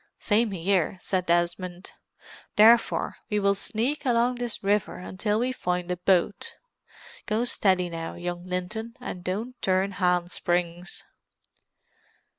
"Same here," said Desmond. "Therefore we will sneak along this river until we find a boat. Go steady now, young Linton, and don't turn hand springs!"